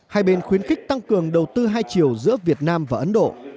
một mươi năm hai bên khuyến khích tăng cường đầu tư hai chiều giữa việt nam và ấn độ